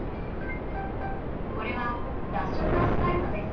これは脱色アスファルトです。